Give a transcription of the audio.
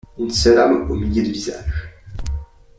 Une seule âme aux milliers de visages.